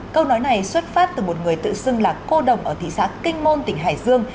câu nói này xuất phát từ một người tự xưng là cô đồng ở thị xã kinh môn tỉnh hải dương